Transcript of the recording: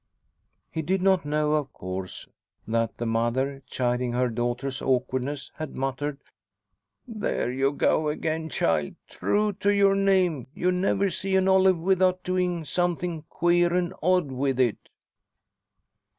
He did not know, of course, that the mother, chiding her daughter's awkwardness, had muttered: "There you are again, child! True to your name, you never see an olive without doing something queer and odd with it!"